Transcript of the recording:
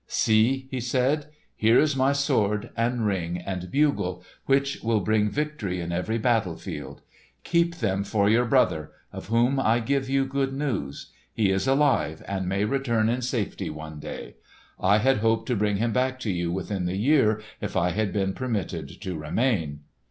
"See!" he said. "Here is my sword and ring and bugle, which will bring victory in every battle field. Keep them for your brother, of whom I give you good news. He is alive and may return in safety one day. I had hoped to bring him back to you within the year if I had been permitted to remain."